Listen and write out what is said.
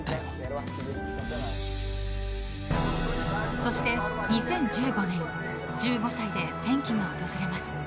そして、２０１５年１５歳で転機が訪れます。